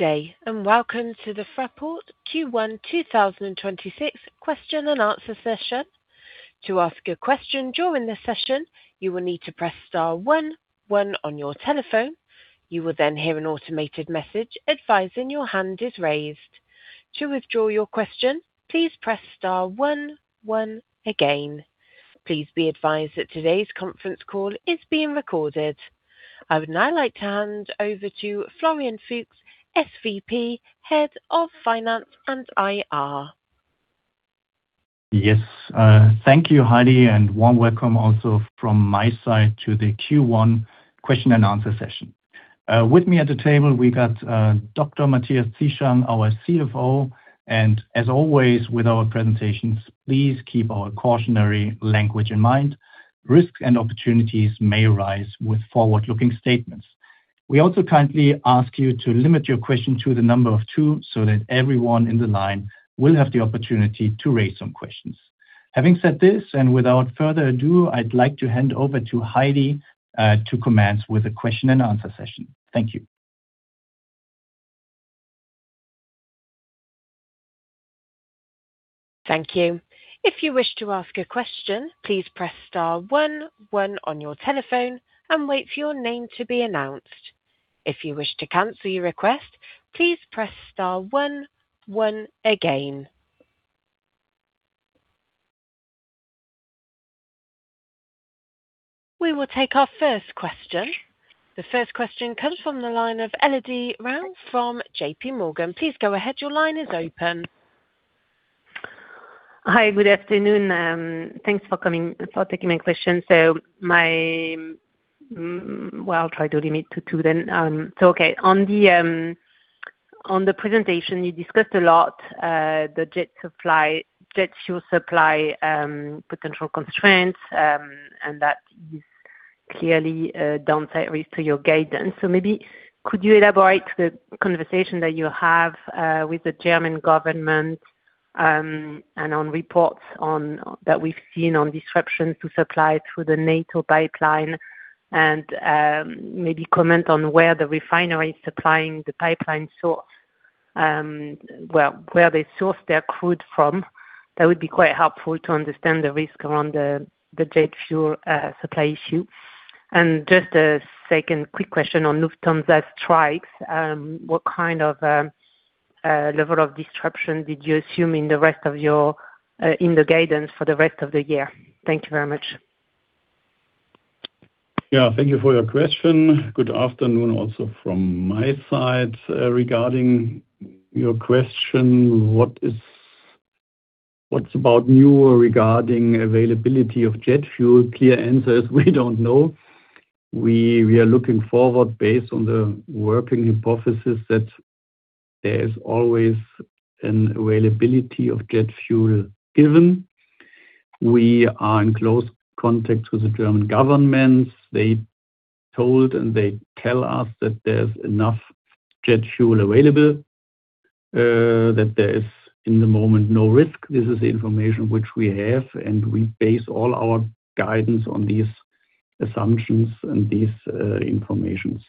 Day, welcome to the Fraport Q1 2026 question-and-answer session. To ask a question during the session you will need to press star one one on your telephone. You will then hear an automated message advising your hand is raised. To withdraw your question, please press star one one again. Please be advised that today's conference call is being recorded. I would now like to hand over to Florian Fuchs, SVP, Head of Finance and IR. Yes. Thank you, Heidi, warm welcome also from my side to the Q1 question-and-answer session. With me at the table, we got Dr. Matthias Zieschang, our CFO. As always with our presentations, please keep our cautionary language in mind. Risks and opportunities may arise with forward-looking statements. We also kindly ask you to limit your question to the number of two so that everyone in the line will have the opportunity to raise some questions. Having said this, without further ado, I'd like to hand over to Heidi to commence with the question-and-answer session. Thank you. Thank you. If you wish to ask a question, please press star one one on your telephone and wait for your name to be announced. If you wish to cancel your request, please press star one one again. We will take our first question. The first question comes from the line of Elodie Rall from JPMorgan. Please go ahead. Your line is open. Hi, good afternoon. Thanks for coming, for taking my question. Well, I'll try to limit to two then. Okay. On the, on the presentation, you discussed a lot the, jet fuel supply, potential constraints, that is clearly a downside risk to your guidance. Maybe could you elaborate the conversation that you have with the German government, and on reports that we've seen on disruptions to supply through the NATO pipeline and maybe comment on where the refinery supplying the pipeline source, well, where they source their crude from? That would be quite helpful to understand the risk around the jet fuel supply issue. Just a second quick question on Lufthansa strikes. What kind of level of disruption did you assume in the rest of your in the guidance for the rest of the year? Thank you very much. Thank you for your question. Good afternoon also from my side. Regarding your question, what's about new regarding availability of jet fuel? Clear answer is we don't know. We are looking forward based on the working hypothesis that there's always an availability of jet fuel given. We are in close contact with the German government. They told and they tell us that there's enough jet fuel available, that there is, in the moment, no risk. This is the information which we have, and we base all our guidance on these assumptions and these informations.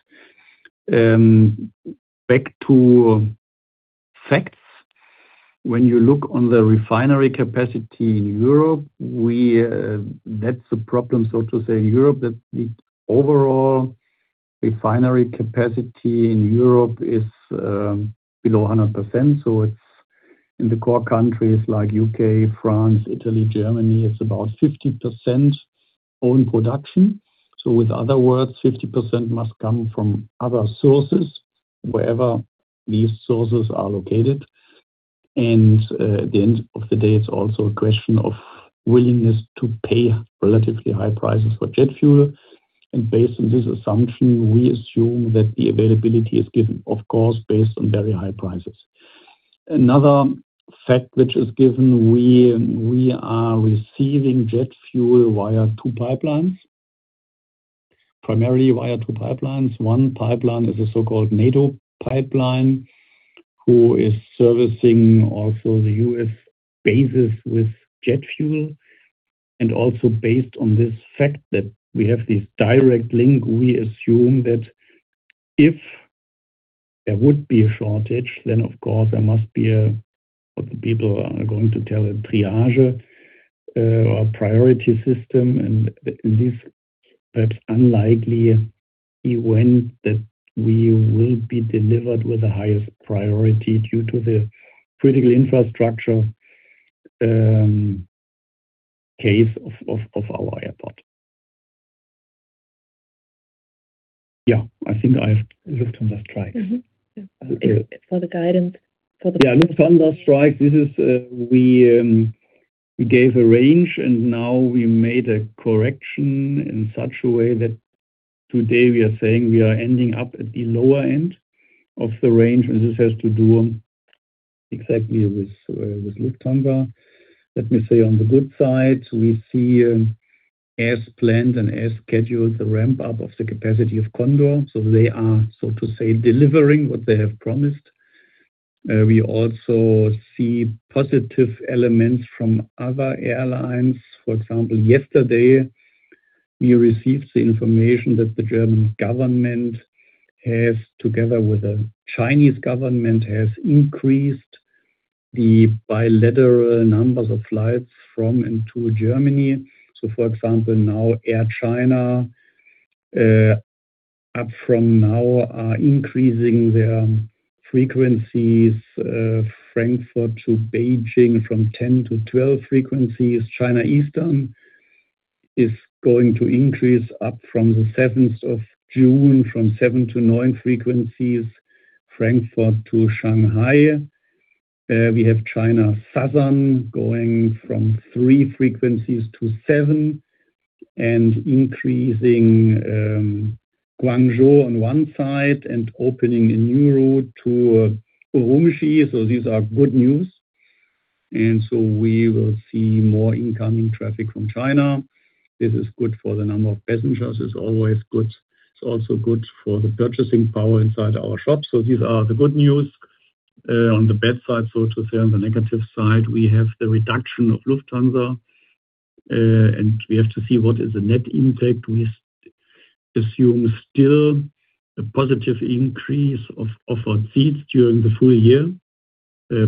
Back to facts. When you look on the refinery capacity in Europe, that's a problem, so to say, in Europe, that the overall refinery capacity in Europe is below 100%. It's in the core countries like U.K., France, Italy, Germany, it's about 50% own production. With other words, 50% must come from other sources, wherever these sources are located. At the end of the day, it's also a question of willingness to pay relatively high prices for jet fuel. Based on this assumption, we assume that the availability is given, of course, based on very high prices. Another fact which is given, we are receiving jet fuel via two pipelines. Primarily via two pipelines. One pipeline is a so-called NATO pipeline, who is servicing also the U.S. bases with jet fuel. Also based on this fact that we have this direct link, we assume that if there would be a shortage, then of course there must be a, what the people are going to tell a triage or priority system. In this, that unlikely event that we will be delivered with the highest priority due to the critical infrastructure case of our airport. Yeah, I think I've Lufthansa strikes. Mm-hmm. Yeah. Okay. For the guidance. Lufthansa strikes. This is, we gave a range, now we made a correction in such a way that today we are saying we are ending up at the lower end of the range, this has to do exactly with Lufthansa. Let me say on the good side, we see, as planned and as scheduled, the ramp-up of the capacity of Condor. They are, so to say, delivering what they have promised. We also see positive elements from other airlines. For example, yesterday, we received the information that the German government has, together with the Chinese government, has increased the bilateral numbers of flights from and to Germany. For example, now Air China, up from now are increasing their frequencies, Frankfurt to Beijing from 10-12 frequencies. China Eastern is going to increase up from the seventh of June from 7-9 frequencies, Frankfurt to Shanghai. We have China Southern going from three frequencies to seven and increasing Guangzhou on one side and opening a new route to Ürümqi These are good news. We will see more incoming traffic from China. This is good for the number of passengers, is always good. It's also good for the purchasing power inside our shops. These are the good news. On the bad side, so to say, on the negative side, we have the reduction of Lufthansa, and we have to see what is the net impact. We assume still a positive increase of our seats during the full-year,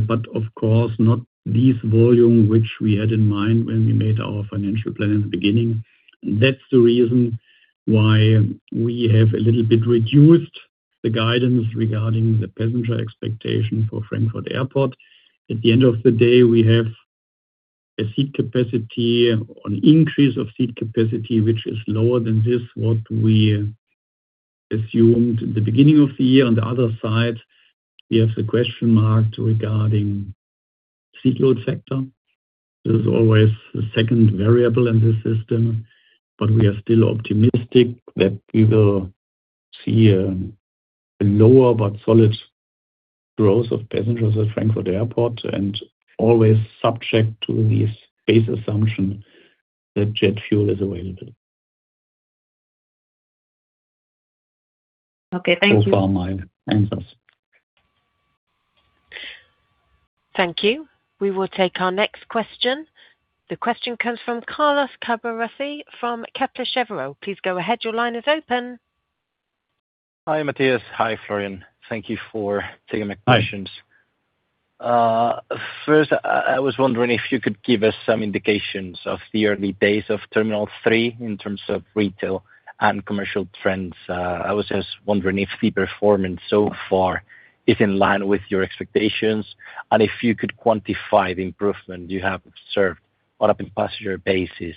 of course not this volume which we had in mind when we made our financial plan in the beginning. That's the reason why we have a little bit reduced the guidance regarding the passenger expectation for Frankfurt Airport. At the end of the day, we have a seat capacity, an increase of seat capacity, which is lower than this, what we assumed at the beginning of the year. On the other side, we have the question mark regarding seat load factor. There's always a second variable in this system, but we are still optimistic that we will see a lower but solid growth of passengers at Frankfurt Airport, and always subject to this base assumption that jet fuel is available. Okay. Thank you. So far my answers. Thank you. We will take our next question. The question comes from Carlos Caburrasi from Kepler Cheuvreux. Please go ahead. Your line is open. Hi, Matthias. Hi, Florian. Thank you for taking my questions. Hi. First, I was wondering if you could give us some indications of the early days of Terminal 3 in terms of retail and commercial trends. I was just wondering if the performance so far is in line with your expectations and if you could quantify the improvement you have observed on a passenger basis.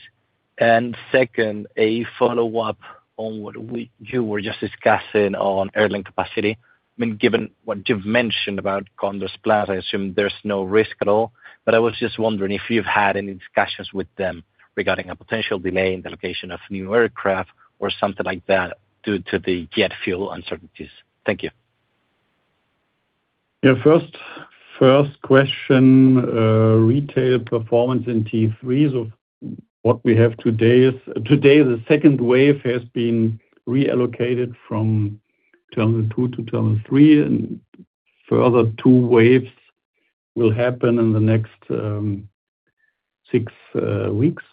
Second, a follow-up on what you were just discussing on airline capacity. I mean, given what you've mentioned about Condor's plan, I assume there's no risk at all. I was just wondering if you've had any discussions with them regarding a potential delay in the location of new aircraft or something like that due to the jet fuel uncertainties. Thank you. First question, retail performance in T3. What we have today is the second wave has been reallocated from Terminal 2 to Terminal 3, and further two waves will happen in the next six weeks.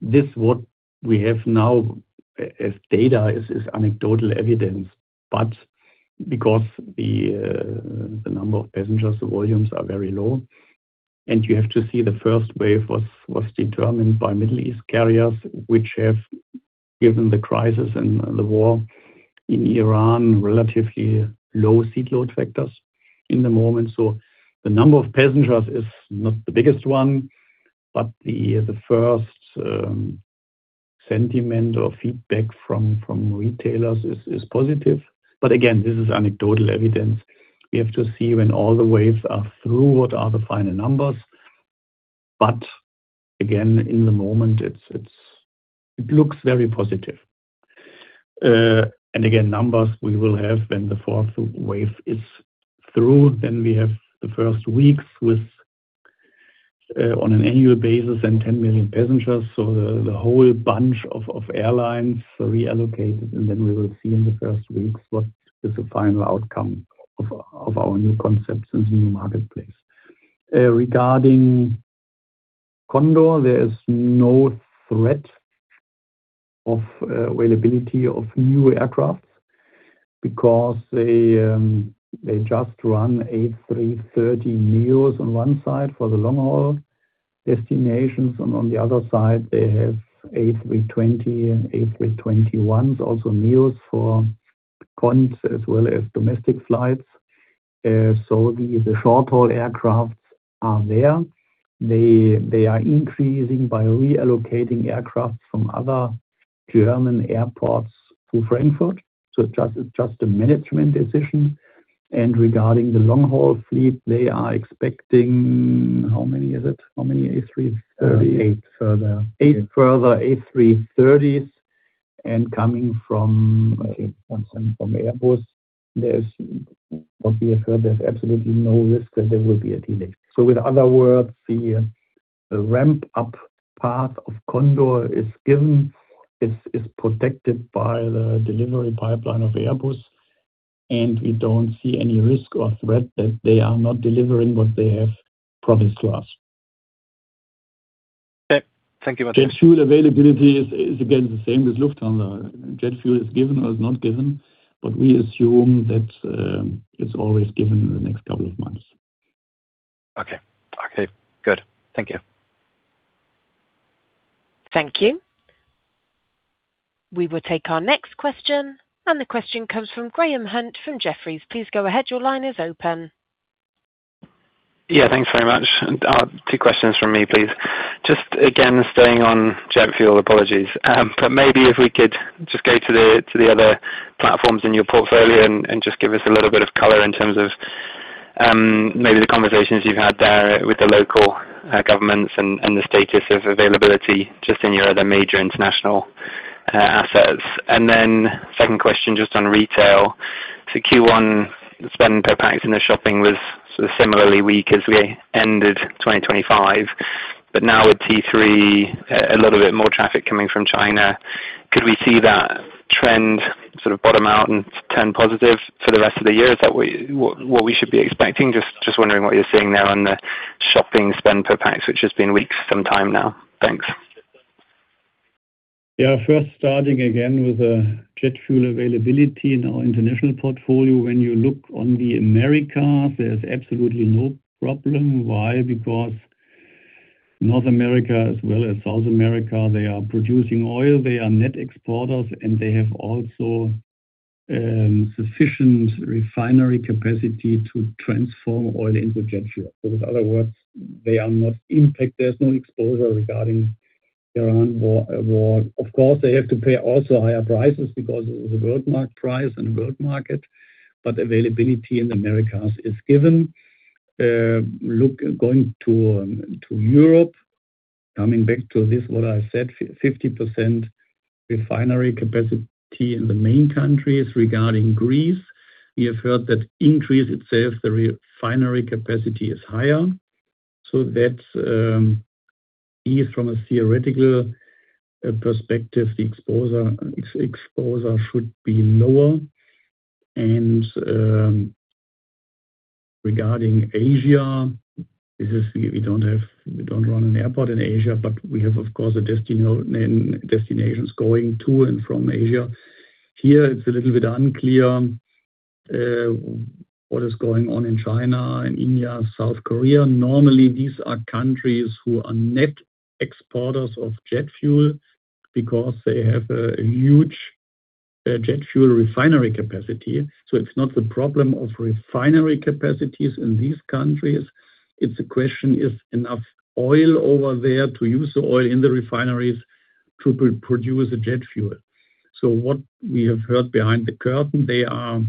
This what we have now as data is anecdotal evidence, because the number of passengers, the volumes are very low, and you have to see the first wave was determined by Middle East carriers, which have, given the crisis and the war in Iran, relatively low seat load factors in the moment. The number of passengers is not the biggest one, the first sentiment or feedback from retailers is positive. Again, this is anecdotal evidence. We have to see when all the waves are through, what are the final numbers. Again, in the moment, it looks very positive. Again, numbers we will have when the fourth wave is through. We have the first weeks with on an annual basis and 10 million passengers. The whole bunch of airlines reallocated, we will see in the first weeks what is the final outcome of our new concepts in the new marketplace. Regarding Condor, there is no threat of availability of new aircrafts because they just run A330neos on one side for the long-haul destinations, and on the other side, they have A320 and A321, also neos for continental as well as domestic flights. The short-haul aircraft are there. They are increasing by reallocating aircraft from other German airports to Frankfurt. It's just a management decision. Regarding the long-haul fleet, they are expecting How many is it? How many A330s? eight further. Eight further A330s. From Airbus. From Airbus. There's absolutely no risk that there will be a delay. With other words, the ramp up path of Condor is given, is protected by the delivery pipeline of Airbus. We don't see any risk or threat that they are not delivering what they have promised to us. Okay. Thank you very much. Jet fuel availability is again the same with Lufthansa. Jet fuel is given or is not given, but we assume that it's always given in the next couple of months. Okay. Okay, good. Thank you. Thank you. We will take our next question. The question comes from Graham Hunt from Jefferies. Please go ahead. Your line is open. Yeah, thanks very much. Two questions from me, please. Just again, staying on jet fuel. Apologies. Maybe if we could just go to the other platforms in your portfolio and just give us a little bit of color in terms of maybe the conversations you've had there with the local governments and the status of availability just in your other major international assets. Second question, just on retail. Q1 spend per pax in the shopping was sort of similarly weak as we ended 2025. Now with T3, a little bit more traffic coming from China, could we see that trend sort of bottom out and turn positive for the rest of the year? Is that what we should be expecting? Just wondering what you're seeing now on the shopping spend per pax, which has been weak some time now. Thanks. Yeah. First starting again with the jet fuel availability in our international portfolio. When you look on the Americas, there's absolutely no problem. Why? Because North America as well as South America, they are producing oil, they are net exporters, and they have also sufficient refinery capacity to transform oil into jet fuel. In other words, they are not impacted. There's no exposure regarding Iran war. Of course, they have to pay also higher prices because of the world market price and world market, but availability in the Americas is given. Look, going to Europe, coming back to this, what I said, 50% refinery capacity in the main countries. Regarding Greece, we have heard that increase itself, the refinery capacity is higher. That's is from a theoretical perspective, the exposure should be lower. Regarding Asia, we don't run an airport in Asia, but we have of course a destino destinations going to and from Asia. Here it's a little bit unclear what is going on in China, in India, South Korea. Normally, these are countries who are net exporters of jet fuel because they have a huge jet fuel refinery capacity. It's not the problem of refinery capacities in these countries. It's a question is enough oil over there to use the oil in the refineries to produce the jet fuel. What we have heard behind the curtain, they are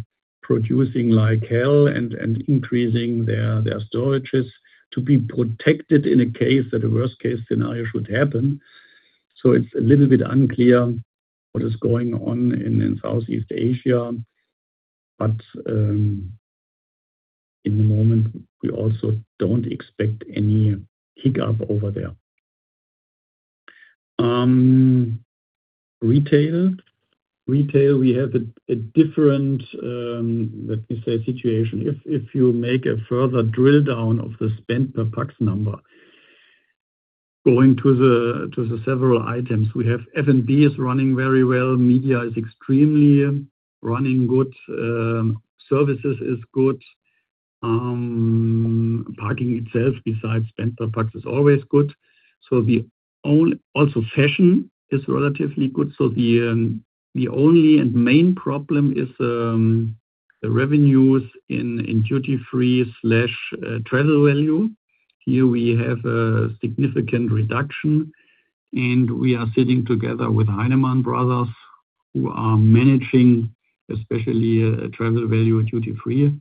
producing like hell and increasing their storages to be protected in a case that a worst case scenario should happen. It's a little bit unclear what is going on in Southeast Asia. In the moment, we also don't expect any hiccup over there. Retail. Retail, we have a different, let me say, situation. If you make a further drill down of the spend per pax number, going to the several items. We have F&B is running very well. Media is extremely running good. Services is good. Parking itself besides spend per pax is always good. Also fashion is relatively good. The only and main problem is the revenues in duty free/travel value. Here we have a significant reduction, and we are sitting together with Heinemann Brothers who are managing, especially, travel value and duty free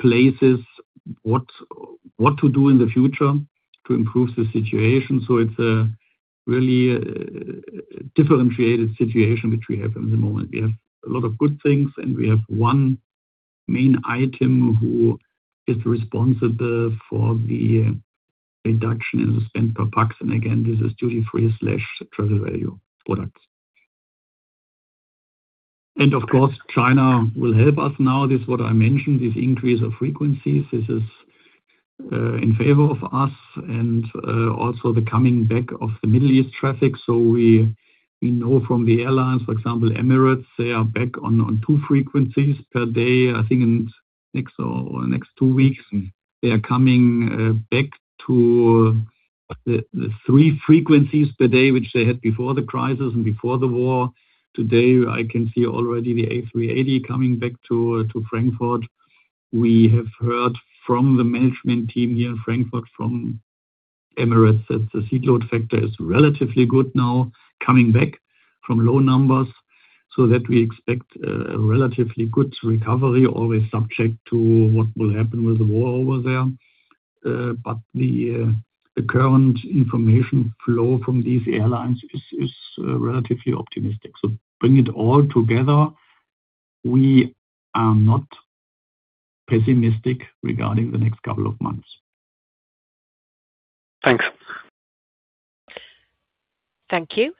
places, what to do in the future to improve the situation. It's a really differentiated situation which we have at the moment. We have a lot of good things. We have one main item who is responsible for the reduction in the spend per pax. Again, this is duty free/travel value products. Of course, China will help us now. This what I mentioned, this increase of frequencies. This is in favor of us and also the coming back of the Middle East traffic. We know from the airlines, for example, Emirates, they are back on two frequencies per day, I think in next or next two weeks. They are coming back to the three frequencies per day, which they had before the crisis and before the war. Today, I can see already the A380 coming back to Frankfurt. We have heard from the management team here in Frankfurt from Emirates that the seat load factor is relatively good now, coming back from low numbers, so that we expect a relatively good recovery, always subject to what will happen with the war over there. The current information flow from these airlines is relatively optimistic. Bring it all together. We are not pessimistic regarding the next couple of months. Thanks. Thank you.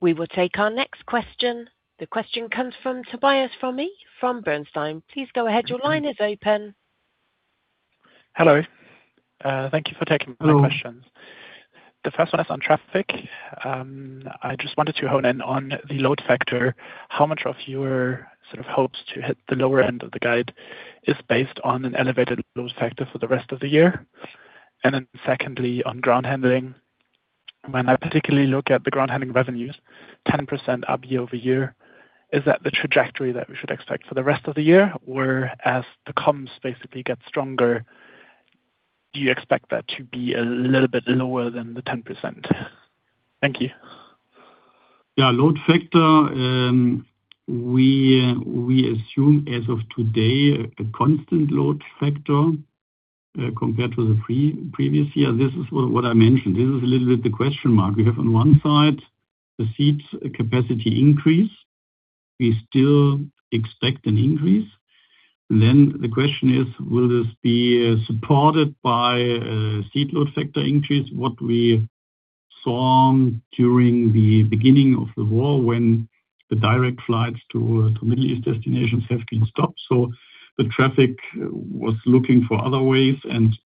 We will take our next question. The question comes from Tobias Fromme from Bernstein. Please go ahead. Your line is open. Hello. Thank you for taking my questions. The first one is on traffic. I just wanted to hone in on the load factor. How much of your sort of hopes to hit the lower end of the guide is based on an elevated load factor for the rest of the year? Secondly, on ground handling, when I particularly look at the ground handling revenues, 10% up year-over-year, is that the trajectory that we should expect for the rest of the year? As the comps basically get stronger, do you expect that to be a little bit lower than the 10%? Thank you. Yeah, load factor, we assume as of today a constant load factor compared to the pre-previous year. This is what I mentioned. This is a little bit the question mark. We have on one side the seats capacity increase. We still expect an increase. The question is, will this be supported by a seat load factor increase? What we saw during the beginning of the war when the direct flights to Middle East destinations have been stopped, so the traffic was looking for other ways and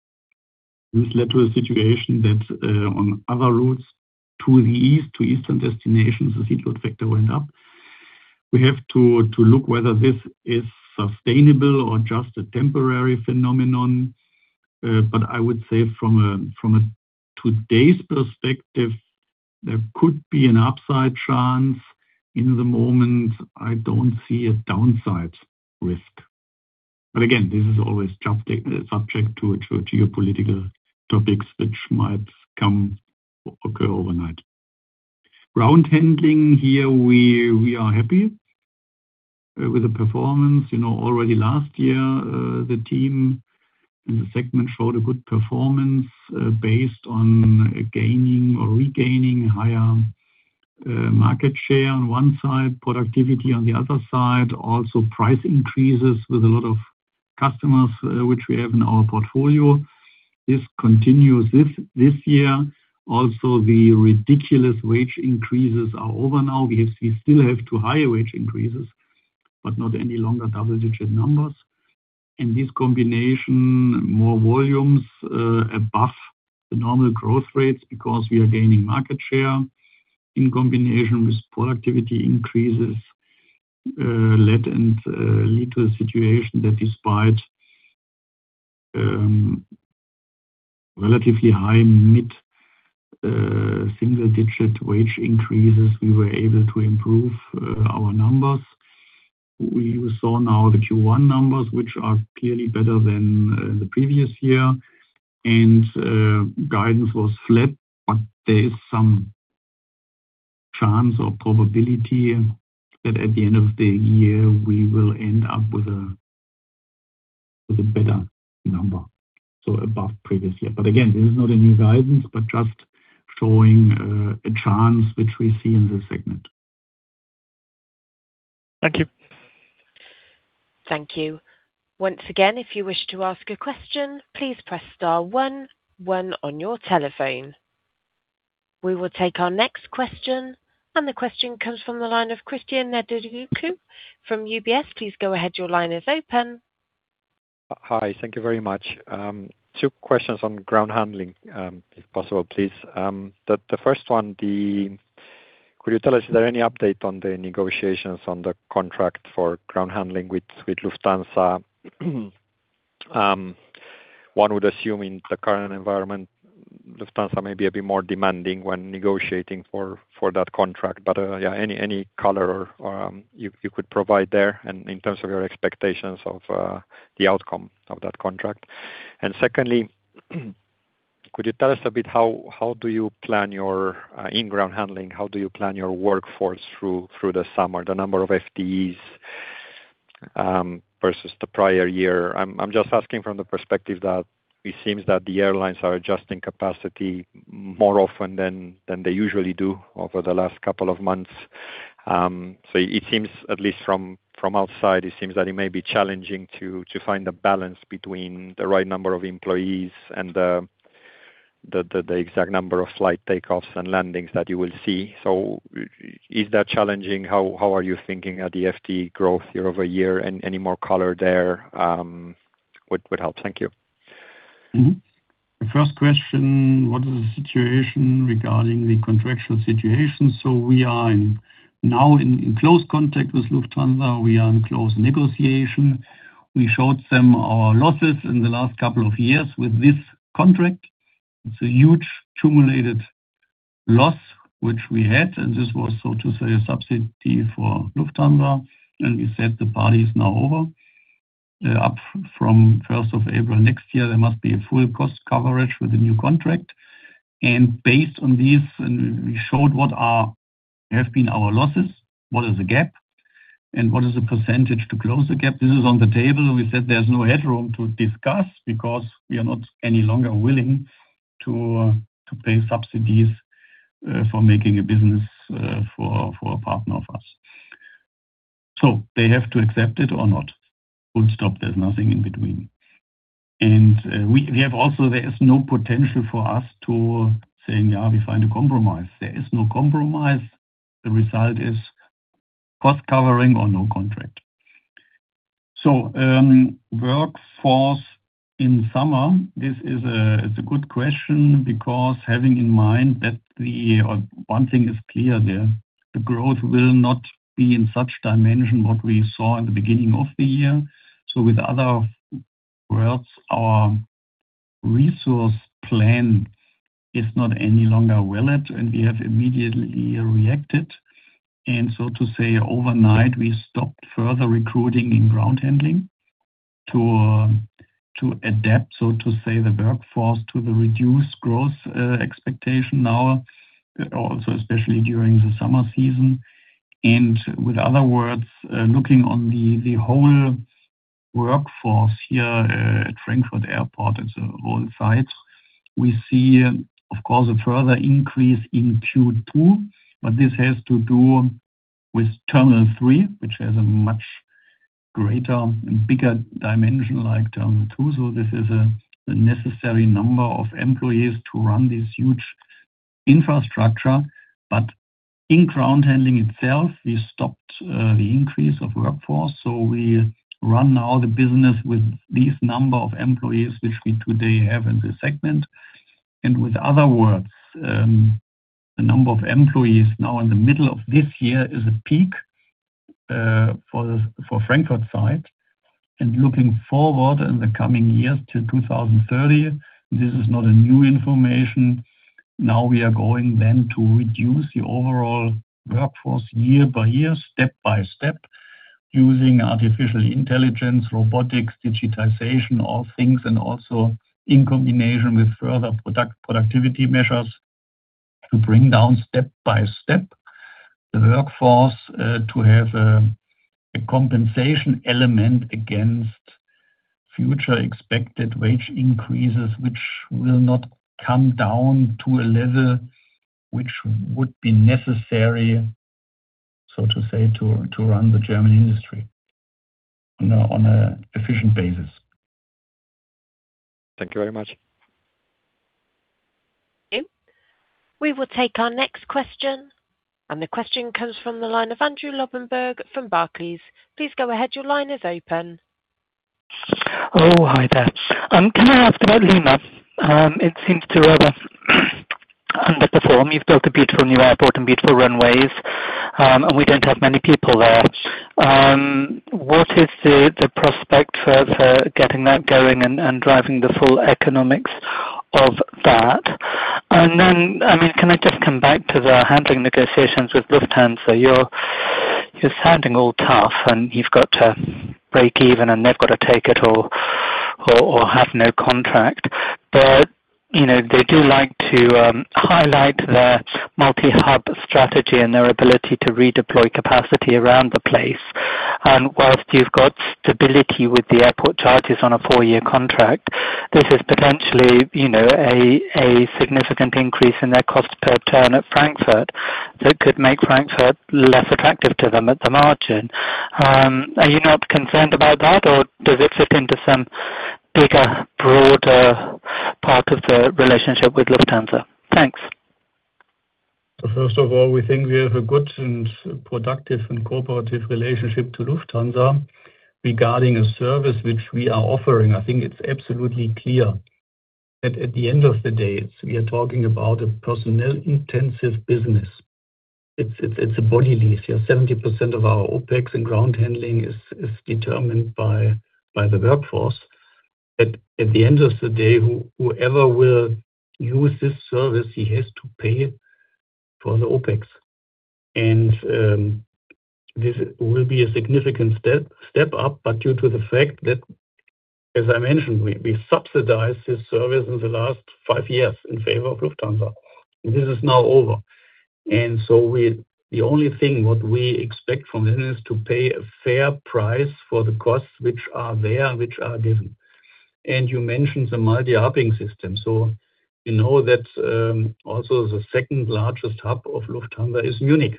this led to a situation that on other routes to the east, to eastern destinations, the seat load factor went up. We have to look whether this is sustainable or just a temporary phenomenon. I would say from a today's perspective, there could be an upside chance. In the moment, I don't see a downside risk. Again, this is always subject to a geopolitical topics which might come, occur overnight. Ground handling here, we are happy with the performance. You know, already last year, the team in the segment showed a good performance, based on gaining or regaining higher market share on one side, productivity on the other side, also price increases with a lot of customers which we have in our portfolio. This continues this year. The ridiculous wage increases are over now. Yes, we still have two higher wage increases, not any longer double-digit numbers. This combination, more volumes above the normal growth rates because we are gaining market share in combination with productivity increases led and lead to a situation that despite relatively high mid single-digit wage increases, we were able to improve our numbers. We saw now the Q1 numbers, which are clearly better than the previous year. Guidance was flat, but there is some chance or probability that at the end of the year we will end up with a better number, so above previous year. Again, this is not a new guidance, but just showing a chance which we see in this segment. Thank you. Thank you. Once again, if you wish to ask a question, please press star one one on your telephone. We will take our next question. The question comes from the line of Cristian Nedelcu from UBS. Please go ahead. Your line is open. Hi. Thank you very much. Two questions on ground handling, if possible, please. The first one, could you tell us, is there any update on the negotiations on the contract for ground handling with Lufthansa? One would assume in the current environment, Lufthansa may be a bit more demanding when negotiating for that contract. Yeah, any color you could provide there and in terms of your expectations of the outcome of that contract? Secondly, could you tell us a bit how do you plan your in ground handling, how do you plan your workforce through the summer, the number of FTEs versus the prior year? I'm just asking from the perspective that it seems that the airlines are adjusting capacity more often than they usually do over the last couple of months. It seems, at least from outside, it seems that it may be challenging to find the balance between the right number of employees and the exact number of flight takeoffs and landings that you will see. Is that challenging? How are you thinking at the FTE growth year-over-year? Any more color there would help. Thank you. The first question, what is the situation regarding the contractual situation? We are now in close contact with Lufthansa. We are in close negotiation. We showed them our losses in the last couple of years with this contract. It's a huge accumulated loss which we had, and this was, so to say, a subsidy for Lufthansa. We said the party is now over. Up from 1st of April next year, there must be a full cost coverage with the new contract. Based on this, we showed what have been our losses, what is the gap, and what is the percentage to close the gap. This is on the table. We said there's no headroom to discuss because we are not any longer willing to pay subsidies for making a business for a partner of us. They have to accept it or not. Full stop. There's nothing in between. We have also there is no potential for us to say, yeah, we find a compromise. There is no compromise. The result is cost covering or no contract. Workforce in summer, it's a good question because having in mind that one thing is clear there, the growth will not be in such dimension what we saw in the beginning of the year. With other words, our resource plan is not any longer valid, and we have immediately reacted. To say overnight, we stopped further recruiting in ground handling to adapt, so to say, the workforce to the reduced growth expectation now, also especially during the summer season. With other words, looking on the whole workforce here, at Frankfurt Airport, it's all sites, we see of course a further increase in Q2, but this has to do with Terminal 3, which has a much greater and bigger dimension like Terminal 2. This is a necessary number of employees to run this huge infrastructure. In ground handling itself, we stopped the increase of workforce. We run now the business with this number of employees, which we today have in this segment. With other words, the number of employees now in the middle of this year is a peak for Frankfurt site. Looking forward in the coming years to 2030, this is not a new information. Now we are going then to reduce the overall workforce year-by-year, step by step, using artificial intelligence, robotics, digitization of things, and also in combination with further product productivity measures to bring down step by step the workforce to have a compensation element against future expected wage increases, which will not come down to a level which would be necessary to run the German industry on an efficient basis. Thank you very much. Thank you. We will take our next question. The question comes from the line of Andrew Lobbenberg from Barclays. Please go ahead. Your line is open. Oh, hi there. Can I ask about Lima? It seems to have underperform. You've built a beautiful new airport and beautiful runways. We don't have many people there. What is the prospect for getting that going and driving the full economics of that? I mean, can I just come back to the handling negotiations with Lufthansa? You're sounding all tough. You've got to break even. They've got to take it or have no contract. You know, they do like to highlight their multi-hub strategy and their ability to redeploy capacity around the place. Whilst you've got stability with the airport charges on a four-year contract, this is potentially, you know, a significant increase in their cost per turn at Frankfurt that could make Frankfurt less attractive to them at the margin. Are you not concerned about that, or does it fit into some bigger, broader part of the relationship with Lufthansa? Thanks. First of all, we think we have a good and productive and cooperative relationship to Lufthansa regarding a service which we are offering. I think it's absolutely clear that at the end of the day, it's a personnel-intensive business. It's a body lease. Yeah, 70% of our OpEx and ground handling is determined by the workforce. At the end of the day, whoever will use this service, he has to pay for the OpEx. This will be a significant step up, but due to the fact that, as I mentioned, we subsidized this service in the last five years in favor of Lufthansa. This is now over. The only thing what we expect from them is to pay a fair price for the costs which are there, which are given. You mentioned the multi-hubbing system. You know that, also the second-largest hub of Lufthansa is Munich.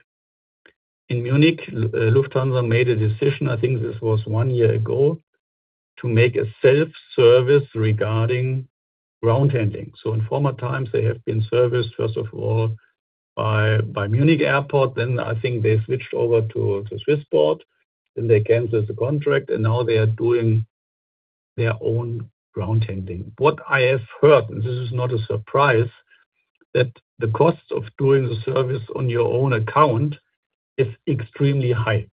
In Munich, Lufthansa made a decision, I think this was one year ago, to make a self-service regarding ground handling. In former times, they have been serviced, first of all, by Munich Airport, then I think they switched over to Swissport, then they canceled the contract, and now they are doing their own ground handling. What I have heard, and this is not a surprise, that the cost of doing the service on your own account is extremely high.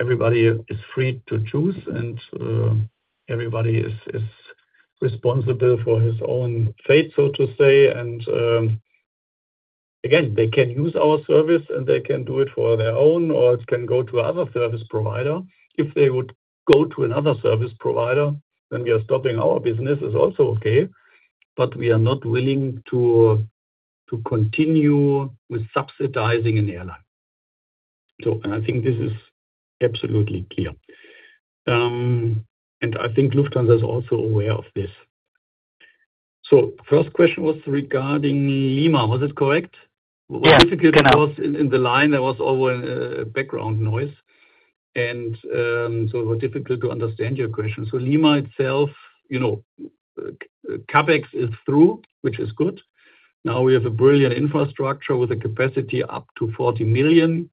Everybody is free to choose, and everybody is responsible for his own fate, so to say. Again, they can use our service, and they can do it for their own, or it can go to other service provider. If they would go to another service provider, then we are stopping our business, is also okay, but we are not willing to continue with subsidizing an airline. I think this is absolutely clear. I think Lufthansa is also aware of this. First question was regarding Lima, was it correct? Yeah. Was difficult because in the line there was always a background noise and it was difficult to understand your question. Lima itself, you know, CapEx is through, which is good. Now we have a brilliant infrastructure with a capacity up to 40 million.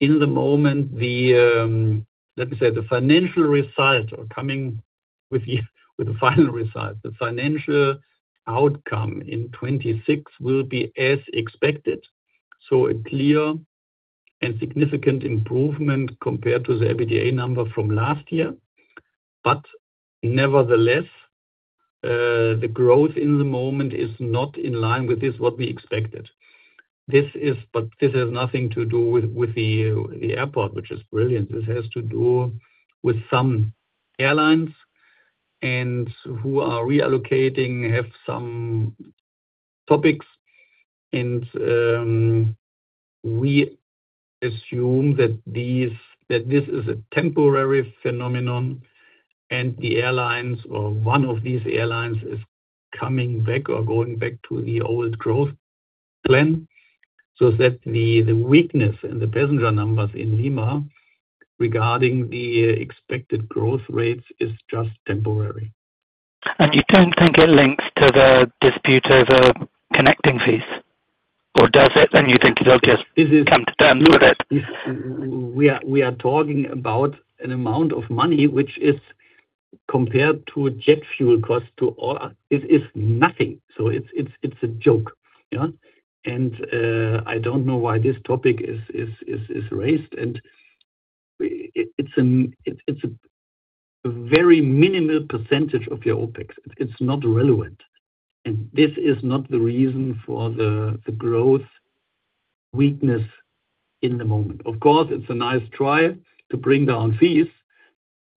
In the moment, the, let me say, the financial results are coming with the final results. The financial outcome in 2026 will be as expected. A clear and significant improvement compared to the EBITDA number from last year. Nevertheless, the growth in the moment is not in line with this what we expected. This has nothing to do with the airport, which is brilliant. This has to do with some airlines and who are reallocating, have some topics. We assume that this is a temporary phenomenon and the airlines or one of these airlines is coming back or going back to the old growth plan. That the weakness in the passenger numbers in Lima regarding the expected growth rates is just temporary. You don't think it links to the dispute over connecting fees? Does it, and you think it'll just come to terms with it? We are talking about an amount of money which is compared to jet fuel cost to all, it is nothing. It's a joke. Yeah. I don't know why this topic is raised. It's a very minimal percentage of your OpEx. It's not relevant. This is not the reason for the growth weakness in the moment. Of course, it's a nice try to bring down fees,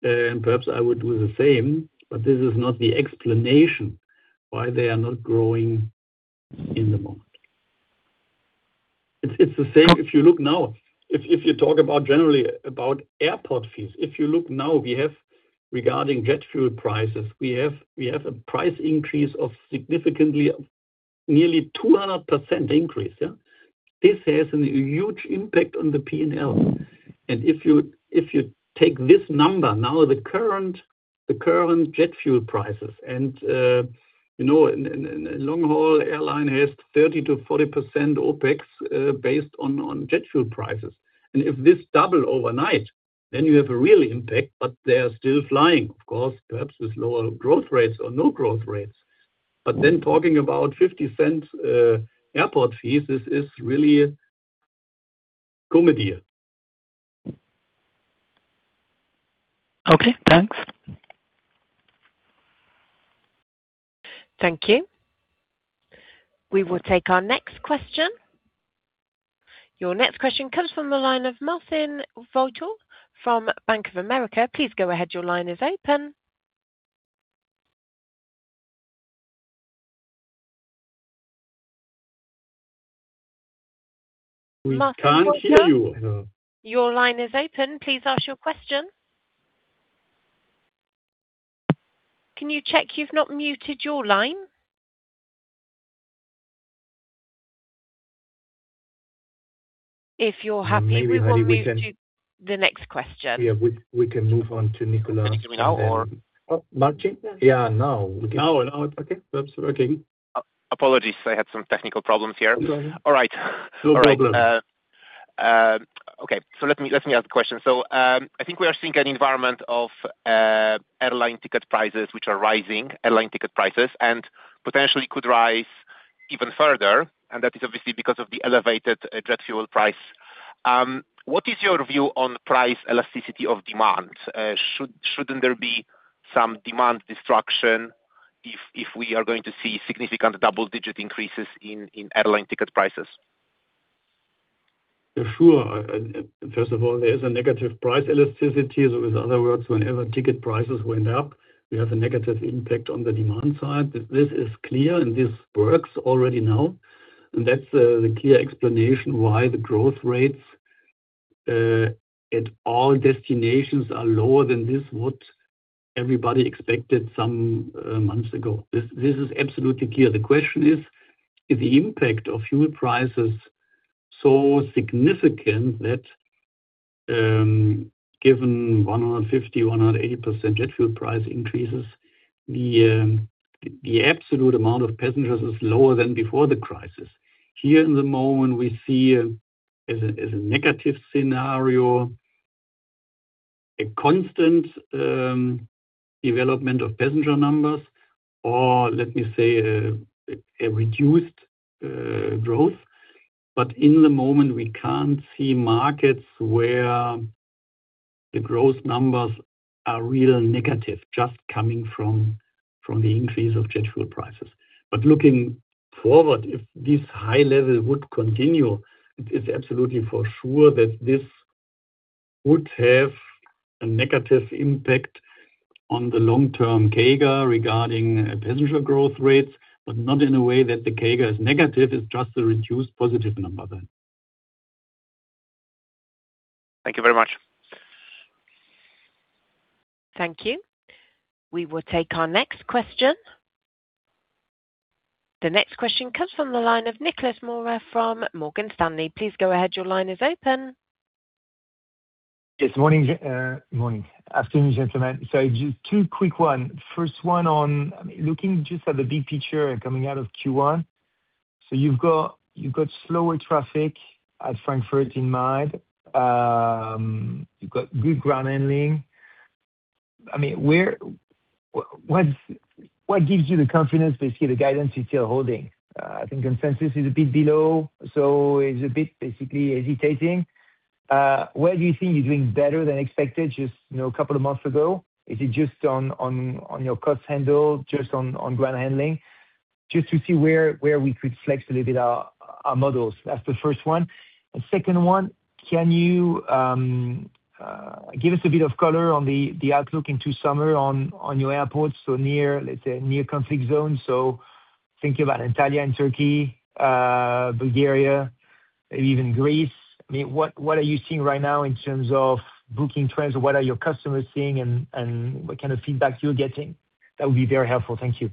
and perhaps I would do the same, this is not the explanation why they are not growing in the moment. It's the same if you look now. If you talk about generally about airport fees. If you look now, we have regarding jet fuel prices, we have a price increase of significantly nearly 200% increase, yeah. This has a huge impact on the P&L. If you take this number now, the current jet fuel prices and, you know, a long-haul airline has 30%-40% OpEx, based on jet fuel prices. If this double overnight, then you have a real impact, but they are still flying, of course, perhaps with lower growth rates or no growth rates. Talking about 0.50, airport fees, this is really comedy. Okay. Thanks. Thank you. We will take our next question. Your next question comes from the line of Marcin Wojtal from Bank of America. Please go ahead, your line is open. We can't hear you. Wojtal, your line is open. Please ask your question. Can you check you've not muted your line? If you're happy, we will move to the next question. Yeah. We can move on to Nicolas. Can I come in now or? Oh, Marcin? Yeah, now. Now? Now, okay. Absolutely. Okay. Apologies. I had some technical problems here. No. All right. No problem. All right. Okay. Let me ask the question. I think we are seeing an environment of airline ticket prices, which are rising, airline ticket prices, and potentially could rise even further, and that is obviously because of the elevated jet fuel price. What is your view on price elasticity of demand? Shouldn't there be some demand destruction if we are going to see significant double-digit increases in airline ticket prices? Sure. First of all, there is a negative price elasticity. In other words, whenever ticket prices went up, we have a negative impact on the demand side. This is clear, and this works already now. That's the clear explanation why the growth rates at all destinations are lower than this what everybody expected some months ago. This is absolutely clear. The question is the impact of fuel prices so significant that, given 150%-180% jet fuel price increases, the absolute amount of passengers is lower than before the crisis. Here in the moment, we see as a negative scenario a constant development of passenger numbers, or let me say, a reduced growth. In the moment, we can't see markets where the growth numbers are real negative, just coming from the increase of jet fuel prices. Looking forward, if this high level would continue, it is absolutely for sure that this would have a negative impact on the long-term CAGR regarding passenger growth rates, but not in a way that the CAGR is negative. It's just a reduced positive number then. Thank you very much. Thank you. We will take our next question. The next question comes from the line of Nicolas Mora from Morgan Stanley. Please go ahead. Your line is open. Yes. Morning. Morning. Afternoon, gentlemen. Just two quick one. First one on looking just at the big picture coming out of Q1. You've got slower traffic at Frankfurt in mind. You've got good ground handling. I mean, what gives you the confidence, basically, the guidance you're still holding? I think consensus is a bit below, so it's basically hesitating. Where do you think you're doing better than expected, just, you know, a couple of months ago? Is it just on your cost handle, just on ground handling? Just to see where we could flex a little bit our models. That's the first one. Second one, can you give us a bit of color on the outlook into summer on your airports, so near, let's say, near conflict zones. Thinking about Antalya and Turkey, Bulgaria, maybe even Greece. I mean, what are you seeing right now in terms of booking trends? What are your customers seeing and what kind of feedback you're getting? That would be very helpful. Thank you.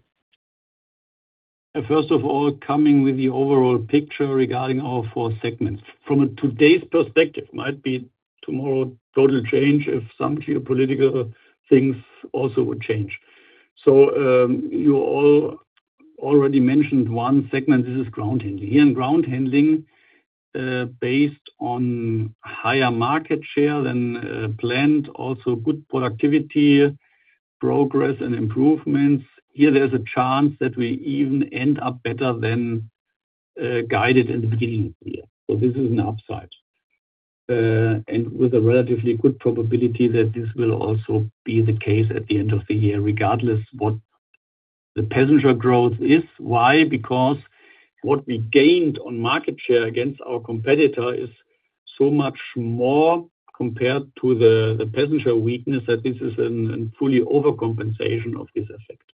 First of all, coming with the overall picture regarding our four segments. From today's perspective, might be tomorrow total change if some geopolitical things also would change. You all already mentioned one segment. This is ground handling. Here in ground handling, based on higher market share than planned, also good productivity, progress and improvements. Here there's a chance that we even end up better than guided in the beginning of the year. This is an upside. With a relatively good probability that this will also be the case at the end of the year, regardless what the passenger growth is. Why? Because what we gained on market share against our competitor is so much more compared to the passenger weakness that this is an fully overcompensation of this effect.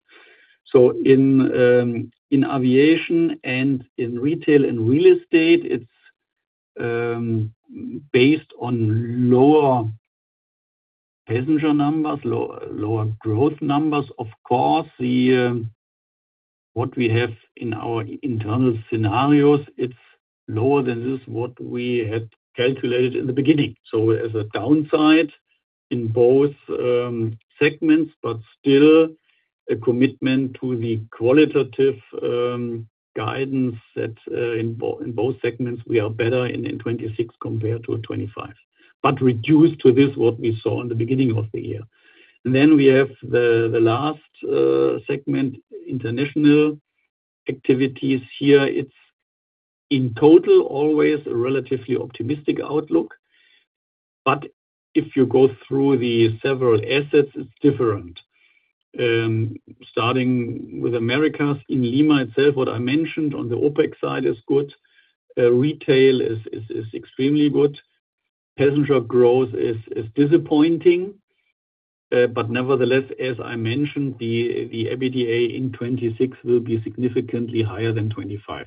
In Aviation and in Retail and Real Estate, it's based on lower passenger numbers, lower growth numbers. What we have in our internal scenarios, it's lower than this what we had calculated in the beginning. As a downside in both segments, but still a commitment to the qualitative guidance that in both segments we are better in 2026 compared to 2025. Reduced to this what we saw in the beginning of the year. We have the last segment, International activities. Here it's in total always a relatively optimistic outlook. If you go through the several assets, it's different. Starting with Americas. In Lima itself, what I mentioned on the OpEx side is good. Retail is extremely good. Passenger growth is disappointing. Nevertheless, as I mentioned, the EBITDA in 2026 will be significantly higher than 2025.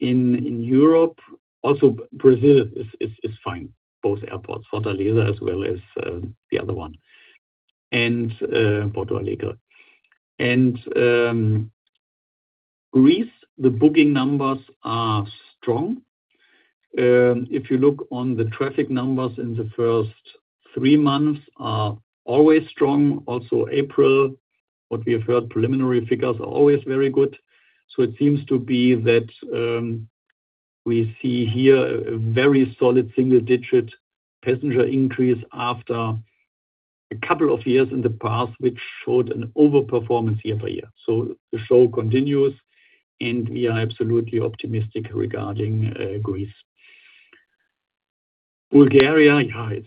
In Europe, also Brazil is fine, both airports, Fortaleza as well as the other one, and Porto Alegre. Greece, the booking numbers are strong. If you look on the traffic numbers in the first three months are always strong. Also April, what we have heard, preliminary figures are always very good. It seems to be that we see here a very solid single-digit passenger increase after a couple of years in the past, which showed an overperformance year-over-year. The show continues, and we are absolutely optimistic regarding Greece. Bulgaria,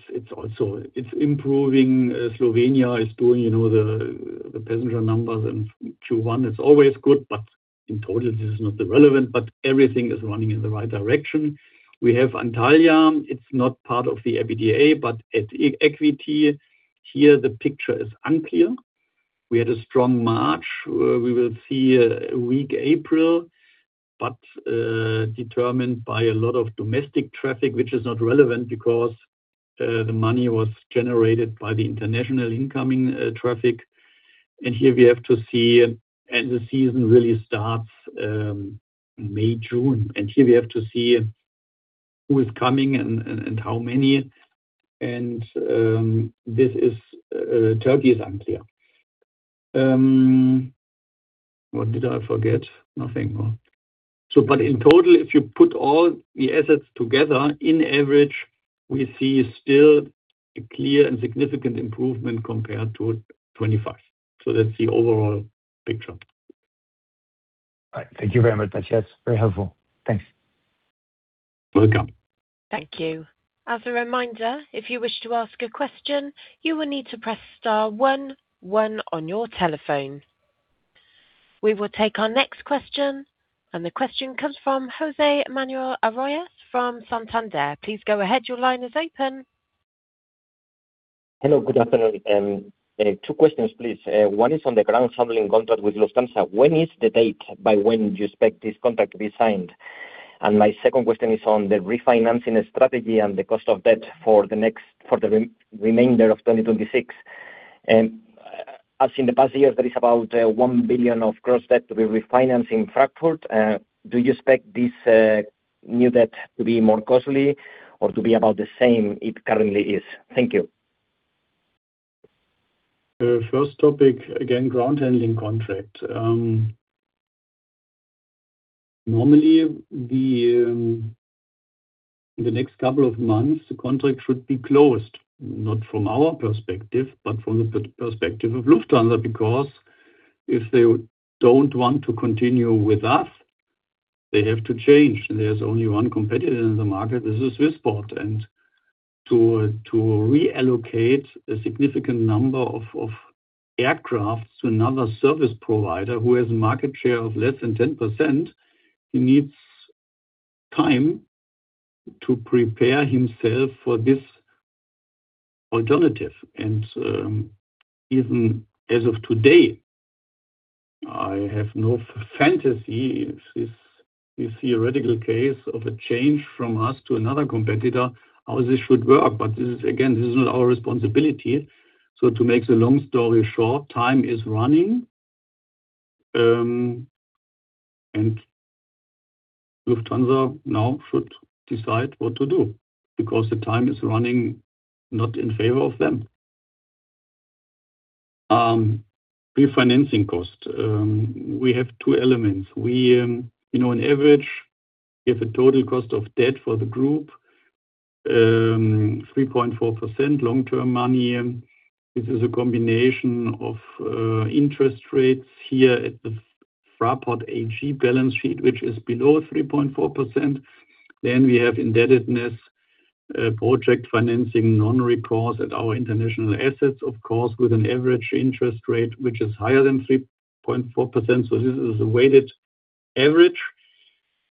it's also improving. Slovenia is doing, you know, the passenger numbers in Q1 is always good, but in total this is not relevant. Everything is running in the right direction. We have Antalya, it's not part of the EBITDA. At equity here the picture is unclear. We had a strong March, we will see a weak April, determined by a lot of domestic traffic which is not relevant because the money was generated by the international incoming traffic. Here we have to see. The season really starts May, June. Here we have to see who is coming and how many. This is Turkey is unclear. What did I forget? Nothing. In total, if you put all the assets together in average, we see still a clear and significant improvement compared to2025. That's the overall picture. All right. Thank you very much, Matthias. Very helpful. Thanks. Welcome. Thank you. As a reminder, if you wish to ask a question, you will need to press star one one on your telephone. We will take our next question. The question comes from José Manuel Arroyas from Santander. Please go ahead. Your line is open. Hello. Good afternoon. Two questions, please. One is on the ground handling contract with Lufthansa. When is the date by when you expect this contract to be signed? My second question is on the refinancing strategy and the cost of debt for the remainder of 2026. As in the past years, there is about 1 billion of gross debt to be refinancing Frankfurt. Do you expect this new debt to be more costly or to be about the same it currently is? Thank you. First topic, again, ground handling contract. Normally, the next couple of months, the contract should be closed, not from our perspective, but from the perspective of Lufthansa, because if they don't want to continue with us, they have to change. There's only one competitor in the market. This is Swissport. To reallocate a significant number of aircraft to another service provider who has a market share of less than 10%, he needs time to prepare himself for this alternative. Even as of today, I have no fantasy this theoretical case of a change from us to another competitor, how this should work. This is again, this is not our responsibility. To make the long story short, time is running, and Lufthansa now should decide what to do because the time is running not in favor of them. Refinancing cost. We have two elements. We, you know, on average, we have a total cost of debt for the group, 3.4% long-term money. This is a combination of interest rates here at the Fraport AG balance sheet, which is below 3.4%. We have indebtedness, project financing, non-recourse at our International assets, of course, with an average interest rate, which is higher than 3.4%. This is a weighted average.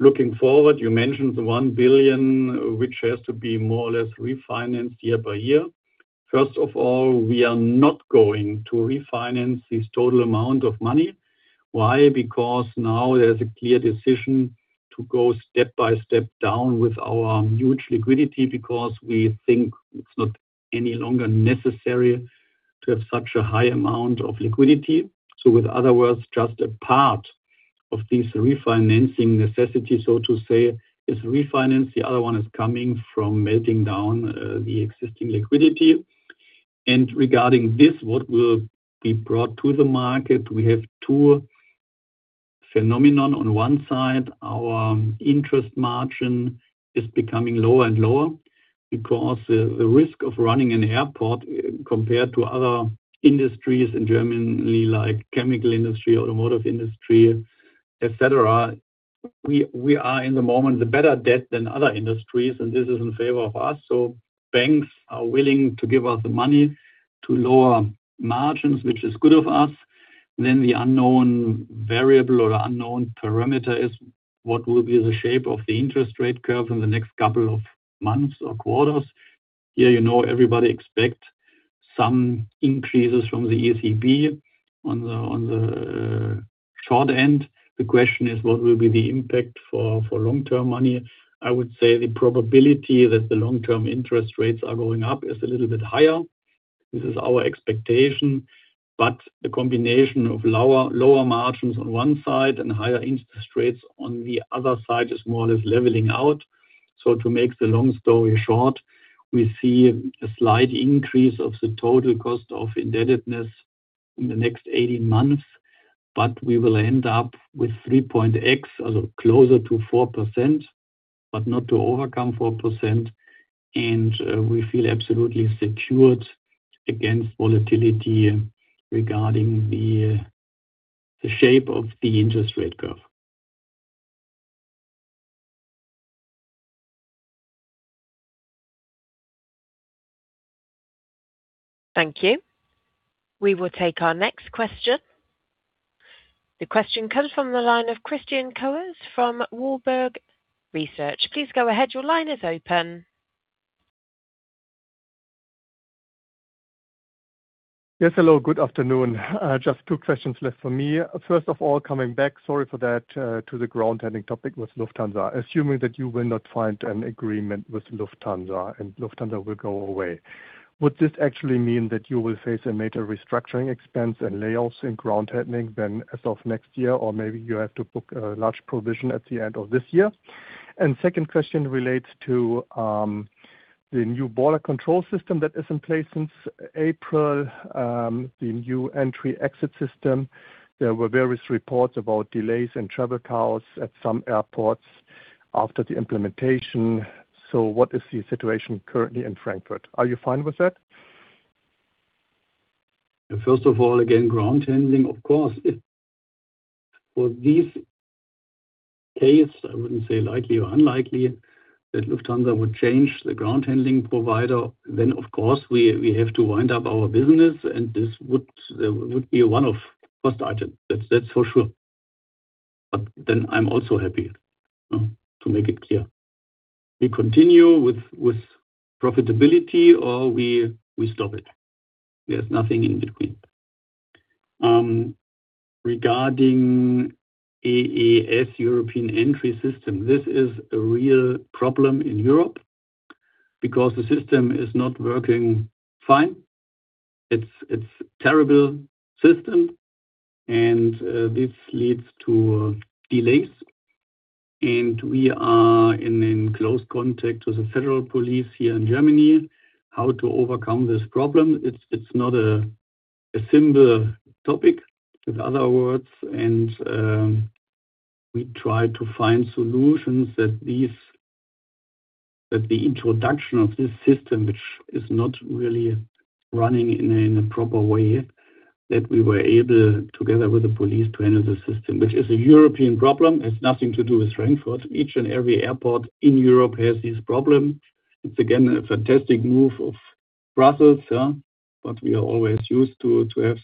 Looking forward, you mentioned the 1 billion, which has to be more or less refinanced year-by-year. First of all, we are not going to refinance this total amount of money. Why? Because now there's a clear decision to go step by step down with our huge liquidity because we think it's not any longer necessary to have such a high amount of liquidity. With other words, just a part of this refinancing necessity, so to say, is refinanced. The other one is coming from melting down the existing liquidity. Regarding this, what will be brought to the market, we have two phenomena. On one side, our interest margin is becoming lower and lower because the risk of running an airport compared to other industries in Germany, like chemical industry, automotive industry, et cetera, we are in the moment the better debt than other industries, and this is in favor of us. Banks are willing to give us the money to lower margins, which is good for us. The unknown variable or unknown parameter is what will be the shape of the interest rate curve in the next couple of months or quarters. Here, you know, everybody expect some increases from the ECB on the short end. The question is what will be the impact for long-term money? I would say the probability that the long-term interest rates are going up is a little bit higher. This is our expectation, the combination of lower margins on one side and higher interest rates on the other side is more or less leveling out. To make the long story short, we see a slight increase of the total cost of indebtedness in the next 18 months, but we will end up with 3.x or closer to 4%, but not to overcome 4%. We feel absolutely secured against volatility regarding the shape of the interest rate curve. Thank you. We will take our next question. The question comes from the line of Christian Cohrs from Warburg Research. Please go ahead. Your line is open. Yes, hello. Good afternoon. Just two questions left for me. First of all, coming back, sorry for that, to the ground handling topic with Lufthansa. Assuming that you will not find an agreement with Lufthansa and Lufthansa will go away, would this actually mean that you will face a major restructuring expense and layoffs in ground handling then as of next year? Maybe you have to book a large provision at the end of this year? Second question relates to the new border control system that is in place since April, the new Entry/Exit System. There were various reports about delays in travel chaos at some airports after the implementation. What is the situation currently in Frankfurt? Are you fine with that? First of all, again, ground handling, of course, for this case, I wouldn't say likely or unlikely, that Lufthansa would change the ground handling provider, then, of course, we have to wind up our business, and this would be one of first item. That's for sure. I'm also happy to make it clear. We continue with profitability or we stop it. There's nothing in between. Regarding EES, European Entry System, this is a real problem in Europe because the system is not working fine. It's terrible system, and this leads to delays. We are in close contact with the federal police here in Germany how to overcome this problem. It's, it's not a simple topic, in other words, and we try to find solutions that the introduction of this system, which is not really running in a, in a proper way, that we were able, together with the police, to enter the system. Which is a European problem, it's nothing to do with Frankfurt. Each and every airport in Europe has this problem. It's again, a fantastic move of Brussels. We are always used to have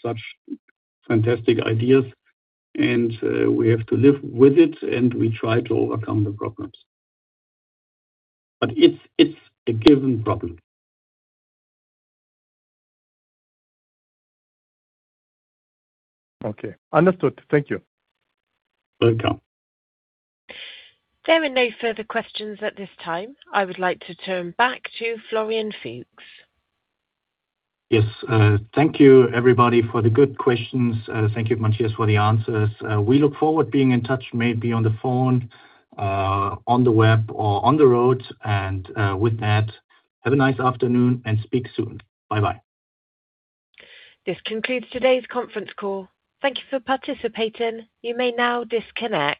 such fantastic ideas, and we have to live with it, and we try to overcome the problems. It's, it's a given problem. Okay. Understood. Thank you. Welcome. There are no further questions at this time. I would like to turn back to Florian Fuchs. Yes. Thank you everybody for the good questions. Thank you, Matthias, for the answers. We look forward being in touch, maybe on the phone, on the web or on the road. With that, have a nice afternoon and speak soon. Bye-bye. This concludes today's conference call. Thank you for participating. You may now disconnect.